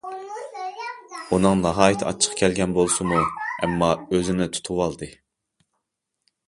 ئۇنىڭ ناھايىتى ئاچچىقى كەلگەن بولسىمۇ، ئەمما ئۆزىنى تۇتۇۋالىدۇ.